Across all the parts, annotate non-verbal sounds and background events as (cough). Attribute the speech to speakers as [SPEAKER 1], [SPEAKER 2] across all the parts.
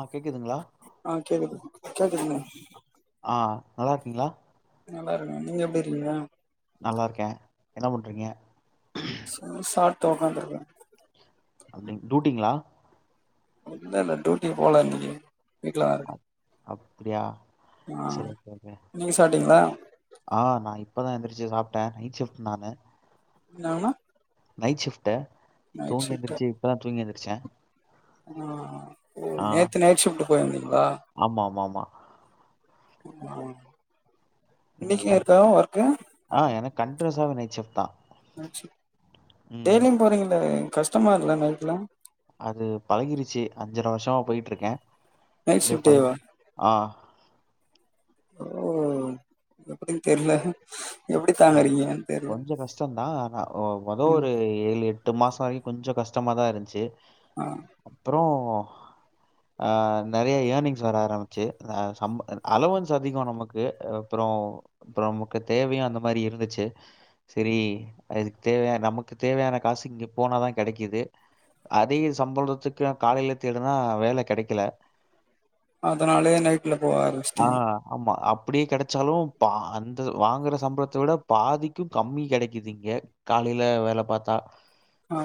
[SPEAKER 1] ஆ கேக்குதுங்களா
[SPEAKER 2] ஆ கேக்குது கேக்குது மேடம்
[SPEAKER 1] ஆ நல்லா இருக்கீங்கலா
[SPEAKER 2] நல்லா இருக்கே நீங்க எப்படி இருக்கீங்கா
[SPEAKER 1] நல்லாருக்கே என்ன பண்றீங்க
[SPEAKER 2] (unintelligible) சாப்ட்டு உக்காந்து இருக்கே
[SPEAKER 1] அப்டிங் டியூட்டிங்ளா
[SPEAKER 2] இல்ல ல டூட்டி போல இன்னைக்கு வீட்லா தா இருக்கே
[SPEAKER 1] அப் அப்டியா
[SPEAKER 2] ஆ
[SPEAKER 1] செரி இப்ப என்ன
[SPEAKER 2] நீங்க சாப்ட்டீங்களா
[SPEAKER 1] ஆ நா இப்பதா எந்திருச்சி சாப்ட்டே நைட் ஷிப்ட் நானு
[SPEAKER 2] உன்னா
[SPEAKER 1] நைட் ஷிப்ட்ட தூங்கி
[SPEAKER 2] ஷிஃப்ட்டு
[SPEAKER 1] எழுந்திரிச்சி இப்பதா தூங்கி எழுந்திருச்சே
[SPEAKER 2] ஆ ஓ நேத்து நைட் ஷிப்ட் போயிருந்தீங்களா
[SPEAKER 1] ஆமா ஆமா மா
[SPEAKER 2] (unintelligible)
[SPEAKER 1] எனக்கு கண்
[SPEAKER 2] இன்னைக்குருக்கா ஒர்க்கு
[SPEAKER 1] ஆ எனக்கு கண்டினியூசாவே நைட் ஷிப்ட் தா
[SPEAKER 2] நைட் ஷிப்ட்
[SPEAKER 1] ம்
[SPEAKER 2] டெய்லியு போறீங்களே கஷ்டமா இல்ல நைட்லா
[SPEAKER 1] அது பழகிருச்சி அஞ்சர வருஷமா போயிட்ருக்கே
[SPEAKER 2] நைட்
[SPEAKER 1] அப்டியே பழகி
[SPEAKER 2] ஷிஃப்டேவா
[SPEAKER 1] ஆஹ்
[SPEAKER 2] ஓ எப்டினு தெரில
[SPEAKER 1] இல்ல கொஞ்சோ கஷ்டோதா ஆனா ஓ மொதோ
[SPEAKER 2] ம்
[SPEAKER 1] ஒரு ஏழு எட்டு மாசோ வரியு கொஞ்சோ கஷ்டமாதா இருன்ச்சு
[SPEAKER 2] அஹ்
[SPEAKER 1] அப்புறோ ஆஹ் நறைய ஏர்னிங்ஸ் வர ஆரம்பிச்சு ஹ சம் அலோவன்ஸ் அதிகோ நமக்கு அப்புறோ அப்புறோ நமக்கு தேவையு அந்த மாரி இருந்துச்சு சேரி அதுக்கு தேவையான நமக்கு தேவையான காசு இங்கே போனா தா கெடைக்கிது அதிக சம்பளத்துக்கு காலையில தேடுனா வேல கிடைக்கல
[SPEAKER 2] அதனாலயே நைட்ல போக
[SPEAKER 1] ஆ,
[SPEAKER 2] ஆரம்பிச்சிட்டீங்க
[SPEAKER 1] ஆமா அப்டியே கிடைச்சாலு பா அந்த வாங்குற சம்பள அதோட பாதிக்கு கம்மி கெடைக்குது இங்க காலையில வேல பாத்தா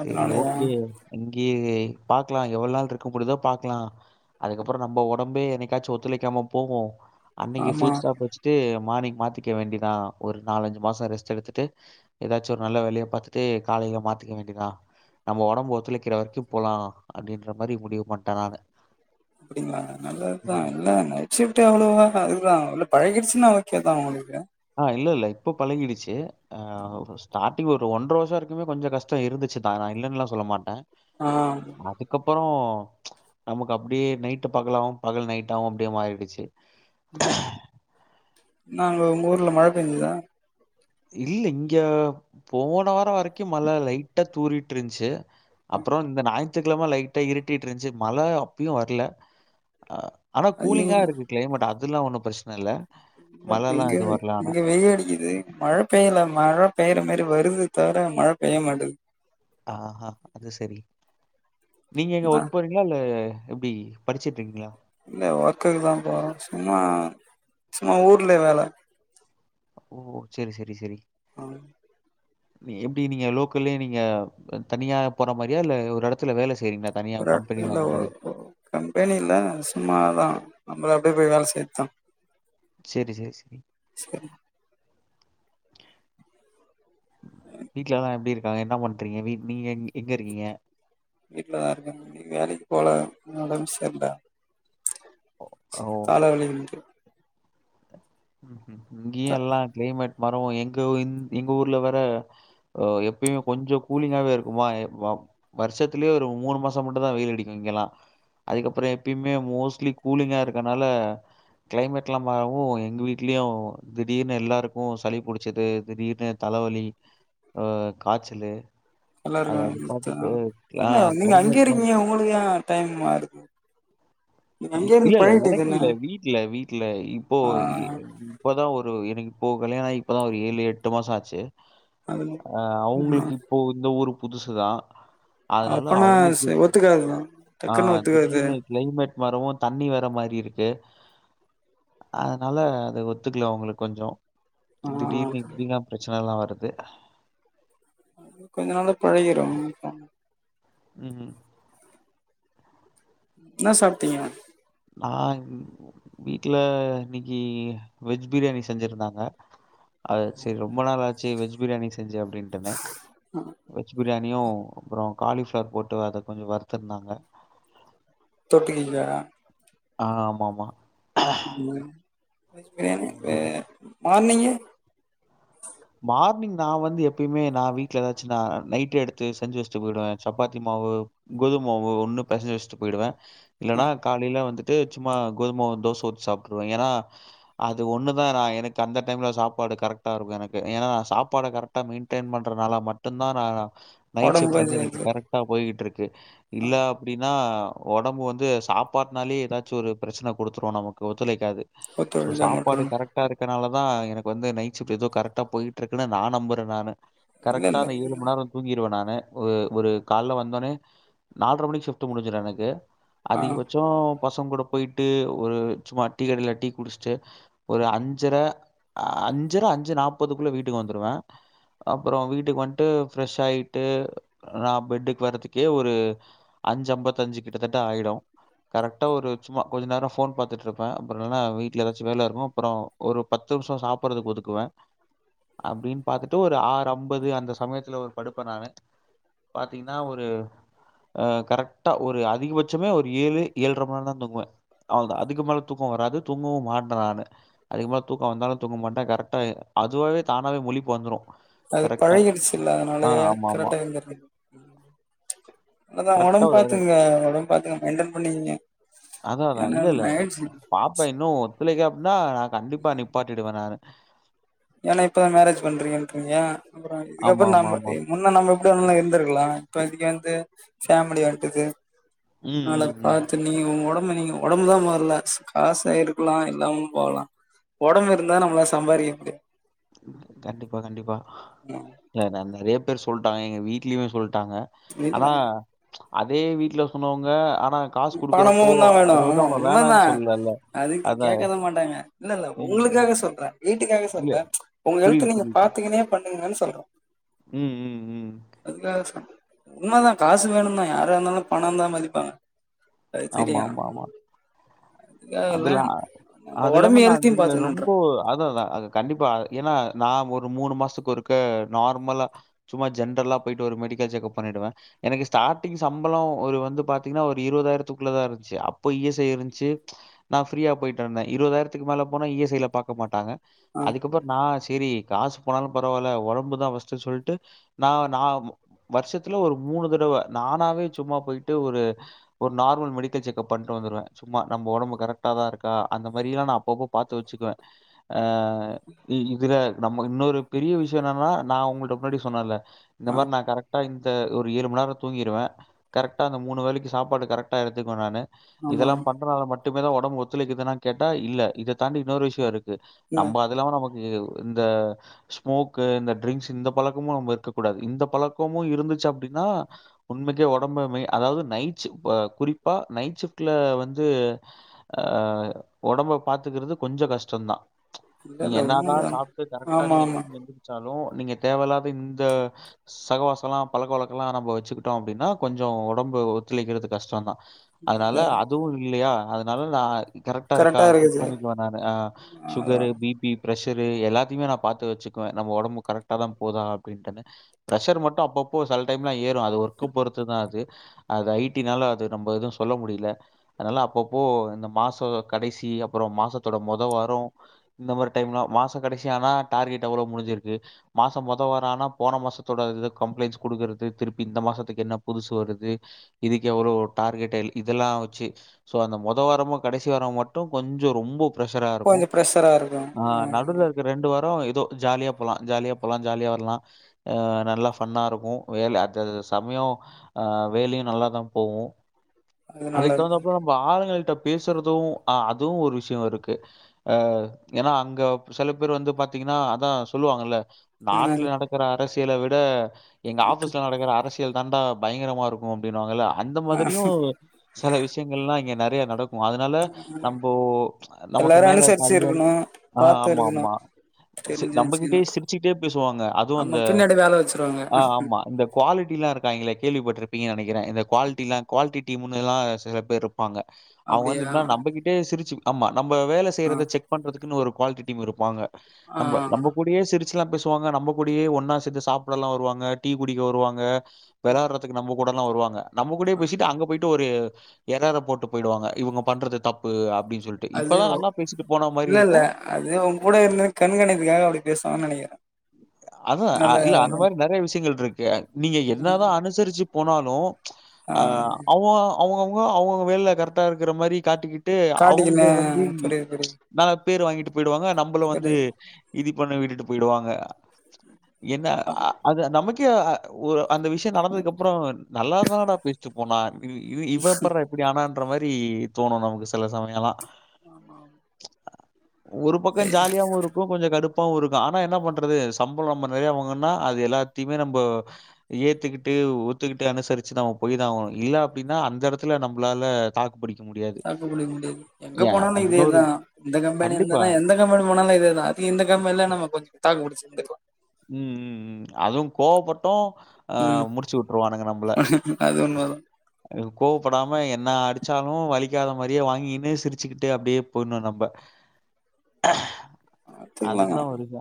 [SPEAKER 1] சரி ஓகே அங்கேயே பாக்லா எவ்ளோ நாள் இருக்க முடிதோ பாக்லா அதுக்கப்புறோ நம்ம ஒடம்பே என்னைக்காச்சு ஒத்துழைக்காம போகு அன்னிக்கு
[SPEAKER 2] ஆமா
[SPEAKER 1] ஃபுல் ஸ்டாப் வச்சுட்டு மார்னிங் மாத்திக்க வேண்டிதா ஒரு நாலஞ்சு மாசோ ரெஸ்ட் எடுத்துட்டு எதாச்சு ஒரு நல்ல வேலயா பாத்துட்டு காலையில மாத்திக்க வேண்டியதா நம்ம ஒடம்பு ஒத்துலைக்கிற வரைக்கு போலா அப்டின்ற மாரி முடிவுபன்டே நானு
[SPEAKER 2] அப்டிங்கலாங்க நல்லது
[SPEAKER 1] ம்.
[SPEAKER 2] தா இல்ல நைட் ஷிஃப்ட் எவ்லோவா அதுதா இல்ல பழகிடுச்சுன்னா ஓ கே தா உங்ளுக்கு
[SPEAKER 1] ஆஹ் இல்ல இல்ல இப்போ பழகிடுச்சு ஆஹ் ஒரு ஸ்டாட் டிங் ஒரு ஒன்றர வருஷோவரைக்குமே கொஞ்சோ கஷ்டோ இருதுச்சு தா நா இல்லேனுலா சொல்ல மாட்டே
[SPEAKER 2] ஆஹ்
[SPEAKER 1] அதுக்கப்புறோ நமக்கு அப்டியே நைட் பகலாவு பகல் நைட்டாவு அப்டியே மாறிடுச்சு
[SPEAKER 2] இன்னாங்க உங்க ஊர்ல மழ பேஞ்சுதா
[SPEAKER 1] இல்ல இங்க போன வாரோ வரைக்கு மழ லைட்டா தூறிட்டுருன்ச்சி
[SPEAKER 2] ஆ,
[SPEAKER 1] அப்புறோ இந்த நாயித்துகிழம லைட் டா இருட்டிட்டுருன்சி மழ அப்பயு வரல ஆனா
[SPEAKER 2] அது
[SPEAKER 1] கூலிங்கா இருக் கிளைமேட் அதுலா ஒன்னு பிரச்சன இல்ல மழைலாம்
[SPEAKER 2] இங்க
[SPEAKER 1] எதுவும் வரல ஆனா.
[SPEAKER 2] இங்க வெயில் அடிக்குது மழ பெய்யல மழ பெய்ற மேரி வருது தவற மழ பெய்ய மாட்டுது
[SPEAKER 1] ஆஹ்ஹா அது சேரி நீங்க எங்க
[SPEAKER 2] ஆ
[SPEAKER 1] ஒர்க் பண் றீங்கலா இல்ல எப்டி படிச்சிட்டு இருக்கீங்லா
[SPEAKER 2] இல்ல ஒர்க்குக்கு தா போறோ சும்மா சும்மா ஊர்ல வேல
[SPEAKER 1] ஓ செரி செரி செரி
[SPEAKER 2] ஹ
[SPEAKER 1] நீ எப்டி நீங்க லோக்கல்லே நீங்க தனியா போற மாரியா இல்ல ஒரு இடத்து த்துல வேல செய்றிங்லா தனியா கம்பெனி அந்த மாரி
[SPEAKER 2] கம்பெனில சும்மாதா நம்லா அப்டியே போய் வேல செய்றது தா
[SPEAKER 1] சேரி சேரி சரி
[SPEAKER 2] சரி
[SPEAKER 1] வீட்லலா எப்டி இருக்காங்க என்ன பண்றீங்க நீ நீங்க எங்க இருக்கீங்க
[SPEAKER 2] வீட்லதா இருக்கே இன்னிக் வேலக்கு போல ஒடம்பு சரில்ல
[SPEAKER 1] ஓ ஓ!
[SPEAKER 2] தல வலி இன்னிக்கு
[SPEAKER 1] இங்கேயு எல்லா கிளைமேட் மரோ எங்க ந் எங்க ஊர்ல வேர ஒ எப்பியு கொஞ்சோ கூலிங்காவே இருக்குமா எ வாப் வருஷத்துலேயே ஒரு மூனுமாசோ மட்டு தா வெயில் அடிக்கு இங்கெல்லா அதுக்கப்புறோ எப்பயுமே மோஸ்லி கூலிங்கா இருக்கனால கிளைமேட் எல்லா மாறவு எங்க வீட்லயு திடீர்னு எல்லாருக்கு சளி புடிச்சது திடீர்னு தலவலி அ காச்சலு
[SPEAKER 2] எல்லாருக்கு குடுத்த நா இல்ல நீங்க அங்கே
[SPEAKER 1] கிளைமேட் மாரி
[SPEAKER 2] இருக்கீங்க உங்களுக்கு எயே டைம் அதுக்கு
[SPEAKER 1] இல்ல இல்ல எனக்கு
[SPEAKER 2] தானே
[SPEAKER 1] இல்ல வீட்ல வீட்ல இப்போ
[SPEAKER 2] ஆ,
[SPEAKER 1] இங் இப்பதா ஒரு எனக்கு இம்போ கல்யாணோ ஆயி இப்பதா ஒரு ஏழு எட்டு மாசோ ஆச்சு
[SPEAKER 2] அது
[SPEAKER 1] அ அவுங்களுக்கு
[SPEAKER 2] ம்.
[SPEAKER 1] இப்போ இந்த ஊரு புதுசுதா அதனால அவுங்களுக்கு
[SPEAKER 2] பேசலா
[SPEAKER 1] ஆ திடீர்னு கிளைமேட் மாரவு தண்ணி வேற மாரி இருக்கு அதனால அது ஒத்துக்கல அவுங்களுக்கு கொஞ்சோ
[SPEAKER 2] ஆ,
[SPEAKER 1] திடீர்னு இப்டில்லா பிரச்சனல்லா வருது
[SPEAKER 2] கொஞ்ச நாள்ல பழகிடு
[SPEAKER 1] ம் ம்
[SPEAKER 2] இன்னா சாப்டிங்க
[SPEAKER 1] ஆ ம் வீட்ல இன்னைக்கி வெஜ் பிரியாணி செஞ்சிருந்தாங்க அது சேர் ரொம்ப நாள் ஆச்சு வெஜ் பிரியாணி செஞ்சு அப்டின் ன்னு வெஜ் பிரியாணியு அப்றோ காலி ஃபிளவர் போட்டு அத கொஞ்சோ வருத்திருந்தாங்க
[SPEAKER 2] தொட்டிக்கி இல்ல
[SPEAKER 1] ஆ ஆமா ஆமா
[SPEAKER 2] வெஜ் பிரியாணி ஆ மார்னிங்கு
[SPEAKER 1] மார்னிங் நா வந்து எப்பயுமே நா வீட்ல ஏதாச்சி நா நைட் எடுத்து செஞ்சி வெச்சிட்டு போயிடுவே சப்பாத்தி மாவு கோதும் மாவு ஒன்னு பெசஞ்சி வெச்சுட்டு போயிடுவே இல்லன்னா காலைல வந்து வந்துட்டு சும்மா கோதும மாவு தோச ஊத்தி சாப்புட்ருவே ஏனா அது ஒன்னு தா நா எனக்கு அந்த டைம்ல சாப்பாடு கரெக்டா இருக்கு எனக்கு ஏன்னா நா சாப்பாட கரெக்டா மெயின்டென் பண்றதுனால மட்டுந் தா நா நைட்
[SPEAKER 2] உடம்பு
[SPEAKER 1] ஷிப்ட் வந்து
[SPEAKER 2] கொஞ்சம்
[SPEAKER 1] எனக்
[SPEAKER 2] இது
[SPEAKER 1] கரெக் இந்தா போயிட்டு இருக்கு இல்ல
[SPEAKER 2] ஆ,
[SPEAKER 1] அப்டின்னா ஒடம்பு வந்து சாப்பாட்னாலே ஏதாச்சி ஒரு பிரச்சன குடுத்துரு நமக்கு ஒத்துழைக்காது சோ
[SPEAKER 2] ஒத்துழைக்க
[SPEAKER 1] சாப்பாடு
[SPEAKER 2] மாட்டேன்
[SPEAKER 1] கரெக்டா இருக்கனால தா எனக்கு வந்து நைட் ஷிப்ட் ஏதோ கரெக்ட் கரெக்டா போயிட்டு இருக்குன்னு நா நம்புறே நானு
[SPEAKER 2] இல்லை
[SPEAKER 1] கரெக்டா அந்த ஏழு
[SPEAKER 2] இல்லை
[SPEAKER 1] மண் நேரோ தூங்கிருவே நானு ஒரு ஒரு கால்ல வந்தோனே நால்ர மணிக்கு ஷிப்ட் முடிஞ்சுரு எனக்கு
[SPEAKER 2] ஆ
[SPEAKER 1] அதிகபட்சோ பசங்க கூட போயிட்டு ஒரு சும்மா டீ கடையில டீ குடிச்சிட்டு ஒரு அஞ்சர அஞ்சர அஞ்சு நாப்பதுக்குள்ள வீட்டுக்கு வந்துருவே அப்றோ வீட்டுக்கு வன்ட்டு ஃப்ரெஷ் ஆயிட்டு நா பெட்டுக்கு வர்றதுக்கே ஒரு அஞ்சி அம்பத்தஞ்சி கிட்டத்தட்ட ஆயிடு கரெக்ட்டா ஒரு சும்மா கொஞ்சோ நேரோ ஃபோன் பாத்துட்டு இருப்பே அப்டி இல்லன்னா வீட்ல ஏதாச்சி வேல இருக்கு அப்புறோ ஒரு பத்து நிமிஷோ சாப்புட்றதுக்கு ஒதுக்குவே அப்டின்னு பாத்துட்டு ஒரு ஆறு அம்பது அந்த சமயத்துல ஒரு படுப்ப நானு பாத்தீங்னா ஒரு கரெக்ட் விட்டா ஒரு அதிகபட்சமே ஒரு ஏழு ஏழுல்ர மணி நேரோந்தா தூங்குவே அவுள்தா அதுக்கு மேல தூக்கோ வராது தூங்கவு மாட்டே நானு அதிகமா தூக்கோ வந்தாலு தூங்க மாட்டே கரெக்டா அதுவாவே தானாவே முழிப்பு வந்துரு
[SPEAKER 2] அது
[SPEAKER 1] கரெக்டா ஆ ஆமா ஆமா
[SPEAKER 2] இயர்லி அதா
[SPEAKER 1] கரெக்டா
[SPEAKER 2] ஒடம்
[SPEAKER 1] ஒரு
[SPEAKER 2] பாத்துங்க ஒடம் பாத்துங்க மெய்ன்டென் பண்ணிகீங்க
[SPEAKER 1] அதாதா இல்லல்ல பாப்பே இன்னு ஒத்துலைக்கே அப்ன்னா நா கண்டிப்பா நிப் பாட்டிடுவே நானு
[SPEAKER 2] ஏன்னா இப்பதா மேரேஜ் பண்றீங்கின்றீங்க அப்புறோ இதுக்கப்றோ நாம்ம
[SPEAKER 1] ஆமாமாமா.
[SPEAKER 2] என் முன்ன நம்ம எப்டி வேனலா இருந்திருக்லா இப்ப இதிக்கி வந்து ஃபமிலியா வன்ட்டுது
[SPEAKER 1] ம்,
[SPEAKER 2] நாள
[SPEAKER 1] ம், ம்.
[SPEAKER 2] பாத் நீங்க உங்க ஒடம்ப நீங்க ஒடம்பு தா முதல்ல காச எடுக்லா இல்லாமு போலா ஒடம்பு இருந்தா நம்மளா சம்பாரிக்க முடி
[SPEAKER 1] கண்டிப்பா கண்டிப்பா
[SPEAKER 2] ம்
[SPEAKER 1] எந நறைய பேர் சொல்ட்டாங்க எங்க வீட்லியுமே சொல்ட்டாங்க ஆனா
[SPEAKER 2] இல்ல
[SPEAKER 1] அதே வீட்ல சொன்னவங்க ஆனா காஸ் குடுக்குறப்போ
[SPEAKER 2] பணமும் தான்
[SPEAKER 1] அத
[SPEAKER 2] வேணும்
[SPEAKER 1] வந்து
[SPEAKER 2] ஆமா
[SPEAKER 1] அவ்ங்க வேணான்
[SPEAKER 2] உண்மைதான்
[SPEAKER 1] சொல்லல்ல
[SPEAKER 2] அதுக்கு கேட்கதா மாட்டாங்க இல்லல்ல
[SPEAKER 1] ம், ம்.
[SPEAKER 2] உங்களுக்காக சொல்றே வீட்டுக்காக
[SPEAKER 1] இல்ல.
[SPEAKER 2] சொல்த உங்க
[SPEAKER 1] புரியுது,
[SPEAKER 2] ஹெல்த்து நீங்க
[SPEAKER 1] புரியுது.
[SPEAKER 2] பாத்துகின்னே பண்ணுங்கன் சொல்றோ
[SPEAKER 1] ம் ம் ம்.
[SPEAKER 2] அதுக்காசம் உண்மதா காசு வேணுன்னா யாரா இருந்தாலு பணந்தா மதிப்பாங்க அது
[SPEAKER 1] ஆமா
[SPEAKER 2] தெரியும்
[SPEAKER 1] ஆமா ஆமா
[SPEAKER 2] அதுக்காக இல்ல
[SPEAKER 1] அதுலா
[SPEAKER 2] நம்ம
[SPEAKER 1] அது இல்லாம
[SPEAKER 2] உடம்பு
[SPEAKER 1] நா
[SPEAKER 2] ஹெல்த்தையும்
[SPEAKER 1] இதுல
[SPEAKER 2] பாத்துக்கணுன்ற
[SPEAKER 1] ரொம்போ அதுதா அது கண்டிப்பா ஏன்னா நா ஒரு மூணு மாஸ்த்துக்கு ஒருக்க நார்மலா சும்மா ஜென்ரல்லா போய்ட்டு ஒரு மெடிக்கல் செக்அப் பண்ணிடுவேன் எனக்கு ஸ்டார்ட்டிங் சம்பளோ ஒரு வந்து பாத்தீங்கன்னா ஒரு இருவதாயிரத்துக்குள்ளதா இருந்ச்சு அப்போ இஎஸ்ஐ இருந்ச்சி நா ஃப்ரீயா போய்ட்டு வந்தேன் இருவதாய்ரத்துக்கு மேல போனா இ எஸ் ஐல பாக்க மாட்டாங்க
[SPEAKER 2] ஆ
[SPEAKER 1] அதுக்கப்பற் நா செரி காஸ் போனாலு பரவால்ல ஒடம்புதா ஃபஸ்ட்டு சொல்ட்டு நா நாம் வர்ஷத்துல ஒரு மூணு தடவ நானாவே ச்சும்மா போய்ட்டு ஒரு ஒரு நார்மல் மெடிக்கல் செக்அப் பண்ட்டு வந்துருவே ச்சும்மா நம்ப் ஒடம்பு கரக்ட்டாதா இருக்கா அந்த மாரி எல்லா நா அப்பப்போ பாத்து வச்சுக்குவே ஆ இ இதுல நம்ம இன்னொரு பெரிய விஷயு என்னன்னா நா உங்கள்ட்ட முன்னாடி சொன்னல்ல இந்த
[SPEAKER 2] ஆ
[SPEAKER 1] மாரி நா கரக்ட்டா இன் டு ஒரு ஈர் மண் நேரோ தூங்கிருவே கரக்ட்டா அந்த மூணு வேலக்கி சாப்பாடு கரக்ட்டா எடுத்துக்குவே நானு
[SPEAKER 2] ஆமா
[SPEAKER 1] இதெல்லாம் பண்றனால மட்டுமே தா ஒடம்பு ஒத்துலைக்குதுன்னா கேட்டா இல்ல இத தாண்டி இன்னொரு விஷ்யு இரு உ
[SPEAKER 2] இல்ல
[SPEAKER 1] நம்ப் அதுல்லாம நமக்கிவ் இந்த ஸ்மோக்கு இந்த ட்ரிங்க்ஸ் இந்த பழக்கமும் நம்ம இருக்க கூடாது இந்த பழக்கமும் இருந்துச்சு அப்டின்னா உண்மைக்கே ஒடம்பு மே அதாவ்து நைட்ஷு வ குறிப்பா நைட் ஷிஷிஃப்ட்ல வந்த் து அ ஒடம்ப பாத்துக்குற்து கொஞ்ச கஷ்டொன்தா
[SPEAKER 2] இல்ல
[SPEAKER 1] நீங்க
[SPEAKER 2] இல்ல
[SPEAKER 1] என்னாதா
[SPEAKER 2] உண்மைதான்
[SPEAKER 1] சாப்ட்டு கரக்ட்டா
[SPEAKER 2] ஆமா
[SPEAKER 1] நீங்க
[SPEAKER 2] ஆமா
[SPEAKER 1] தூங்கி எந்திரிச்சாலு நீங்க தேவயில்லாத இந்த சகவாசோல்லா பழக்க வழக்கல்லா நம்போ வச்சிக்கிட்டோ அப்டின்னா கொஞ்சு ஒடம்பு ஒத்துழைக்கிறது கஷ்டொன்தா
[SPEAKER 2] இல்ல
[SPEAKER 1] அதனால
[SPEAKER 2] இல்ல
[SPEAKER 1] அதுவு இல்லையா அதனால நா கரக்ட்டா இருக்கா
[SPEAKER 2] கரெக்டா
[SPEAKER 1] செக்
[SPEAKER 2] இருக்குது
[SPEAKER 1] பண்ணிக்குவே நானு ஆ ஷுகரு
[SPEAKER 2] அதான்
[SPEAKER 1] பிபி ப்ரெஷரு எல்லாத்திமே நா பாத்து வச்சுக்குவே நம்ம ஒடம்பு கரக்ட்டா தா போதா அப்டின்ட்டன்னு ப்ரஷர் மட்டு அப்பப்போ செல டைம்லா ஏறு அது ஒர்க்குப் பொறுத்து தா அது அது ஐ டினால அது நம்ப எது சொல்ல முடில அனால அப்பப்போ இந்த மாசோ கடைசி அப்பறோ மாசத்தோட மொத வாரோ இந்த மாரி டைம்லா மாச கடைசியானா டார்கெட் அவ்ளோ முடிஞ்சிருக்கு மாசம் மொத வார ஆனா போன மாசத்தோட அதுது கம்ப்ளைண்ஸ் குடுக்குறுது திருப்பி இந்த மாசத்துக்கு என்ன புதுசு வருது இதுக்கு எவ்ளோ டார்கெட்டெல் இதெல்லாம் வச்சி ஸோ அந்த மொத வாரமு கடைசி வார மட்டு கொஞ்சோ ரொம்போத் பிரஷரா இருக்கு
[SPEAKER 2] கொஞ்சம் ப்ரெஷரா இருக்கும்
[SPEAKER 1] ஆ
[SPEAKER 2] ஆமா
[SPEAKER 1] நடுவுல இ ரெண்டு வாரோ ஏதோ ஜாலியா போலா ஜாலியா போலா ஜாலியா வர்லா அ நல்லா ஃபன்னா இருக்கு வேல அந்த சமயோ ஆ வேலையு நல்லா தா போகு
[SPEAKER 2] அது நல்லது தான்
[SPEAKER 1] ததுகப்புற நம்ம ஆளுங்களிட்ட பேசுறது ஆ அதுவு ஒரு விஷயொ இருக்கு அ ஏன்னா அங்க செல பேர் வந்து பாத்தீங்கன்னா அதா சொல்லுவாங்கல்ல நாட்டுல
[SPEAKER 2] ம்
[SPEAKER 1] நடக்கற அரசியல விட எங்க
[SPEAKER 2] ஓகே
[SPEAKER 1] ஆஃபீஸ்ல நடக்கற அரசியல் தாண்டா பயங்கரமா இருக் கு அப்டின்னுவாங்கள்ல அந்த
[SPEAKER 2] ஆ
[SPEAKER 1] மாதிரியு செல விஷயங்கள்லா இங்க நெறைய நடக் கு அதனால நம்போ அ நமக்கு
[SPEAKER 2] எல்லாரு
[SPEAKER 1] மேல இருக்க
[SPEAKER 2] அனுசரிச்சு
[SPEAKER 1] அதிகாரி
[SPEAKER 2] இருக்கணு
[SPEAKER 1] ஆ
[SPEAKER 2] பாத்து
[SPEAKER 1] ஆமா
[SPEAKER 2] இருக்கணு
[SPEAKER 1] ஆமா சு
[SPEAKER 2] தெரிஞ்சு வச்சுக்கணு
[SPEAKER 1] நம்மகிட்டேயே சிரிச்சுக்கிட்டே பேசுவாங்க அதுவு
[SPEAKER 2] ஆமா
[SPEAKER 1] அந்த
[SPEAKER 2] பின்னாடி வேல வச்சிருவாங்க
[SPEAKER 1] ஆ ஆமா இந்த குவாலிட்டிலா இருக்காங்களே கேள்விப்பட்ருப்பீங்க நனைக்கிறே இந்த குவால்ட்டிலா குவால்ட்டி டிம்முன்னுல்லா சில பேரு ப்பாங்க அவங்க வந்து
[SPEAKER 2] அப்டியா
[SPEAKER 1] ம நம்மகிட்டே சிரிச்சு ஆமா நம்ம வேல
[SPEAKER 2] ஆ
[SPEAKER 1] செய்யறத செக் பண்றதுக்குன்னு ஒரு குவாலிட்டி டீம் இருப்பாங்க
[SPEAKER 2] ஆ
[SPEAKER 1] நம்ம நம்ம கூடயே சிரிச்சுலா பேச் வாங்க நம்ம கூடியே ஒன்னா சேந்து சாப்டல்லா வருவாங்க டீ குடிக்க வருவாங்க வெளாடுற துக் நம்ம கூடலா வருவங்க நம்ம கூடேயை பேசிட்டு அங்க போயிட் டு ஒரு எரர போட்டு போயிடுவாங்க இவங்க பண்றது தப்பு அப்
[SPEAKER 2] அது உ இல்ல இல்ல
[SPEAKER 1] இருக்கும்.
[SPEAKER 2] அது உ கூட இருந்து கண்காணித்துகாக அப்டி பேசுவா நனைக்கிற
[SPEAKER 1] அதா அ இல்ல அந்த மாரி நறைய விஷயங்கள் ருக்கு நீங்க என்னதா அனுசரிச்சு போனாலு ஆ போ அவுங்கவுங்க அவுங்கவுங்க வேல்ல கரெக்டா இருக்குற மாரி காட்டிக்கி ட்டு
[SPEAKER 2] காட்டிக்கின்னு
[SPEAKER 1] அவுங்க வந்து
[SPEAKER 2] புரியுது புரியுது
[SPEAKER 1] நல்ல பேர் வாங்கிட்டு போயிடுவாங்க நம்பளு வந்து
[SPEAKER 2] புரியுது
[SPEAKER 1] இது பண்ண விட்டுட்டு போயிடுவாங்க என்ன அ அது நமக் கே ஒ அந்த விஷ்யோ நடந்ததுக்கு அப்றோ நல்லாதானடா பேசிட்டு போனா இது இது இவ எப்பறா இப்டி ஆனான்ற மாரி தோணு நமக்கு செல சமயல்லா
[SPEAKER 2] ஆமா
[SPEAKER 1] ஒரு பக்கோ ஜாலியாவு இருக்கு கொஞ்சோ கடுப் பாவு இருக்கு ஆனா என்ன பண்றது சம்பளோ ம்ம நறைய வாங்குன்னா அது எல்லாத்தையுமே நம்ப ஏத்துக்கிட்டு ஒத்துக்கிட்டு அனுசரிச்சு நம்ம போய் தா ஆகணு இல்ல அப்டினா அந்த எடத்துல நம்ளால தாக்கு புடிக்க முடியா
[SPEAKER 2] தாக்கு புடிக்க முடியாது எங்க போனாலு இதே தா இந்த கம்பெனி
[SPEAKER 1] கண்டிப்பா.
[SPEAKER 2] இருந்தனா எந்த எந்த கம்பனி போனாலு இதே தா அது இந்த கம்பெனில நம்ம கொஞ்ச தாக்குப்புடிச்சு இருந்துக்லா
[SPEAKER 1] ம் ம் ம் அதுவு கோவப்பட்டோ ஆ
[SPEAKER 2] ம்
[SPEAKER 1] முடிச்சு வுட்ருவானுங்க நம்ப்ள
[SPEAKER 2] அது உண்மதா
[SPEAKER 1] ஆ கோவப்படாம என்ன அடிச்சாலு வலிக்காத மாரியே வாங்கிக்குன்னு சிரிச்சுக்கிட்டு அப்டியே போயிருனு நம்ப
[SPEAKER 2] பாத்துக்கலா
[SPEAKER 1] அதுதா வலிக்கு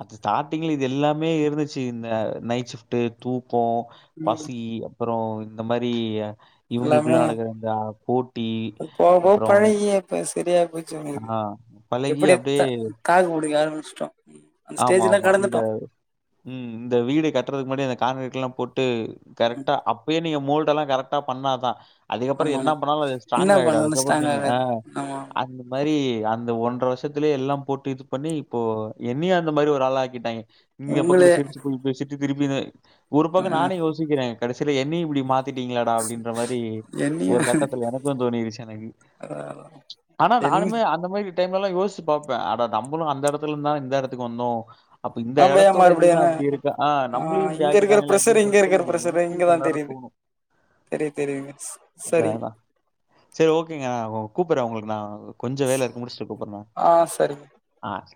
[SPEAKER 1] அது ஸ்டா டிங்ள இது எல்லாமே இருந்துச்சு இந்த நைட் ஷிஃப்ட்டு தூக்கோ
[SPEAKER 2] ம்
[SPEAKER 1] பசி அப்றோ இந்த மாரி இவுங்ளுக்குள்ள
[SPEAKER 2] எல்லாமே
[SPEAKER 1] நடக்குற இந்த போட்டி
[SPEAKER 2] போக போக
[SPEAKER 1] அப்றோ
[SPEAKER 2] பழகி இப்ப சரியா போய்ச்சு இவுங்ளுக்கு
[SPEAKER 1] பழகி
[SPEAKER 2] எப்டி
[SPEAKER 1] அப்படியே
[SPEAKER 2] தா தாக்கு புடிக்க ஆரம்பிச்சுடோ
[SPEAKER 1] ஆமா ஆமா இந்த ம் இந்த வீடு கட்டுறதுக்கு முன்னாேடி அந்த கான்கிரீட்ல்லா போட்டு
[SPEAKER 2] ம்
[SPEAKER 1] கரெக்டா அப்பயே நீங்க மோல்டு எல்லா கரெக்டா பண்ணா தா அதுக்கப்பற
[SPEAKER 2] ஆமா
[SPEAKER 1] என்ன
[SPEAKER 2] ஆமா
[SPEAKER 1] பண்ணாலு அது
[SPEAKER 2] என்ன
[SPEAKER 1] ஸ்ட்ராங்க் ஆயிடு
[SPEAKER 2] பண்ணாலு
[SPEAKER 1] அதுக்கப்பற
[SPEAKER 2] ஸ்ட்ராங்
[SPEAKER 1] நீங்க ஆ
[SPEAKER 2] ஆகாது ஆமா ஆமா.
[SPEAKER 1] அந்த மரி அந்த ஒன்ற வருஷத்லயே எல்லா போட்டு இது பண்ணி இப்போ என்னையு அந்த மாரி ஒரு ஆளாக்கிட்டாங்க நீங்க இப்ப கூட
[SPEAKER 2] உங்களே
[SPEAKER 1] சிரிச்சு போய் பேசிட்டு திருப்பி இத ஒரு
[SPEAKER 2] ஆ
[SPEAKER 1] பக்க நானே யோசிக்குற கடைசில என்னயு இப்டி மாத் திடீங்ளேடா அப்டின்ற மாரி ஒரு கட்டத்துல எனக்கு தோணிருச்சு எனக்கு
[SPEAKER 2] ஆ
[SPEAKER 1] ஆனா நானுமே அந்த மாரி டைம்லல்லா யோசிச்சு பாப்பே அட நம்மளு அந்த எடத்துல இருந்து தானே இந்த எடத்துக்கு வந்தோ அப்ப இந்த
[SPEAKER 2] நாம ஏ
[SPEAKER 1] எடத்தோட
[SPEAKER 2] மறுபடியு
[SPEAKER 1] இதுதா
[SPEAKER 2] என்ன
[SPEAKER 1] அப்டி இருக்கா ஆ நம்ளியு இப்டி
[SPEAKER 2] இங்க இருக்கிற
[SPEAKER 1] ஆக்கிடாங்ளே
[SPEAKER 2] ப்ரெஷர்
[SPEAKER 1] அப்டின்னு
[SPEAKER 2] இங்க
[SPEAKER 1] சொல்லிட்டு
[SPEAKER 2] இருக்கிற
[SPEAKER 1] எனக்கே சில நேரோ தோனு
[SPEAKER 2] தெரி தெரியுங்க ஸ் சரி
[SPEAKER 1] சேரி ஓகேங்க நா கூப்புறே உங்ளுக்கு நா கொஞ்ச வேல இருக்கு முடிச்சுட்டு கூப்புற நா
[SPEAKER 2] ஆ சரிங்க
[SPEAKER 1] ஆ ச